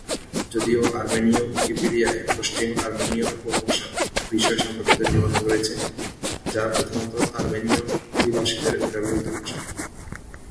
যদিও, আর্মেনিয় উইকিপিডিয়ায় পশ্চিম আর্মেনীয় উপভাষার বিষয় সম্পর্কিত নিবন্ধ রয়েছে, যা প্রধানত আর্মেনীয় অভিবাসীদের ব্যবহৃত ভাষা।